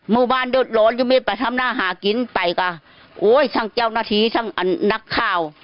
มือบ้านโดดโหลดยังไม่ไปทำหน้าหากินไปก็โอ๊ยทั้งเจ้าหน้าทีทั้งนักข้าว